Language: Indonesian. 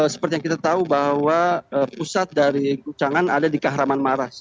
seperti yang kita tahu bahwa pusat dari guncangan ada di kahraman maras